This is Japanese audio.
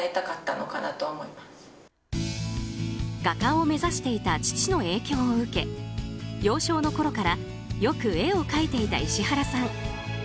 画家を目指していた父の影響を受け幼少のころからよく絵を描いていた石原さん。